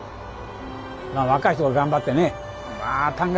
まあ若い人が頑張ってねああ旦過